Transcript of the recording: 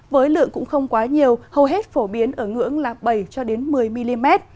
với lượng cũng không quá nhiều hầu hết phổ biến ở ngưỡng là bảy một mươi mm